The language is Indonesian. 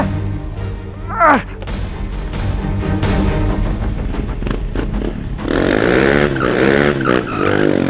hei jangan kabur